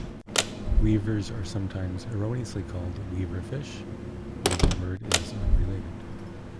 Weevers are sometimes erroneously called 'weaver fish', although the word is unrelated.